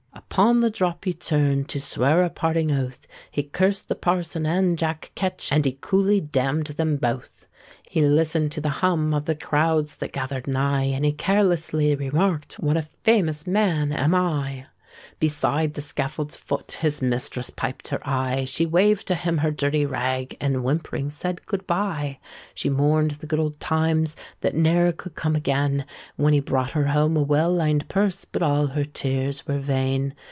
Upon the drop he turned To swear a parting oath; He cursed the parson and Jack Ketch, And he coolly damned them both. He listened to the hum Of the crowds that gathered nigh; And he carelessly remarked, "What a famous man am I!" Beside the scaffold's foot His mistress piped her eye: She waved to him her dirty rag, And whimpering said, "Good bye!" She mourned the good old times That ne'er could come again, When he brought her home a well lined purse;— But all her tears were vain!